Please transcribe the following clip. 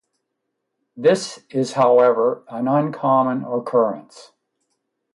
This is however, an uncommon occurrence.